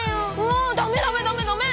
ああダメダメダメダメ！